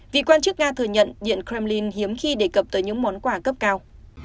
vị quan chức nga thừa nhận điện kremlin hiếm khi đề cập tới những món quà cấp cao